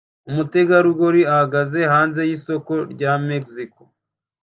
Umutegarugori ahagaze hanze yisoko rya Mexico